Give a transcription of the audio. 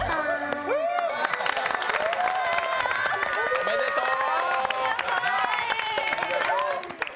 おめでとう！